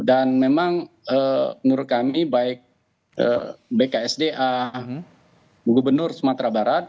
dan memang menurut kami baik bksda gubernur sumatera barat